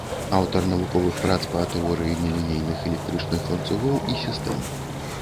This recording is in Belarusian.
Аўтар навуковых прац па тэорыі нелінейных электрычных ланцугоў і сістэм.